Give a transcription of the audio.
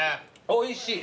おいしい。